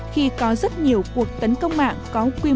khi có rất nhiều cuộc tấn công mạng có quy mô